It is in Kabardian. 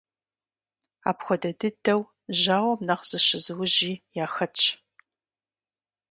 Апхуэдэ дыдэу, жьауэм нэхъ зыщызыужьи яхэтщ.